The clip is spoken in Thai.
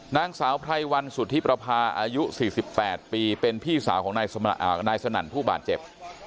นางสาวไพรวันสุธิประพาอายุ๔๘ปีเป็นพี่สาวของนายสนั่นผู้บาดเจ็บ